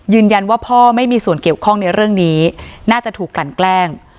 พ่อไม่มีส่วนเกี่ยวข้องในเรื่องนี้น่าจะถูกกลั่นแกล้ง